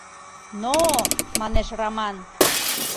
«Но-о! — манеш Раман.